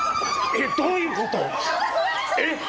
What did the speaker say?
えっ？どういうこと？